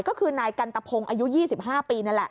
ก็คือนายกันตะพงศ์อายุ๒๕ปีนั่นแหละ